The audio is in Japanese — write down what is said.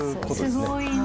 すごいね。